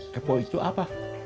kepo itu apa